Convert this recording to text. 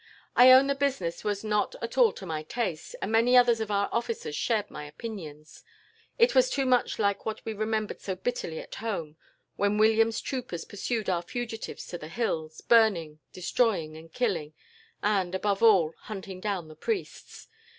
"I own the business was not at all to my taste, and many others of our officers shared my opinions. It was too much like what we remembered so bitterly at home, when William's troopers pursued our fugitives to the hills, burning, destroying, and killing, and, above all, hunting down the priests.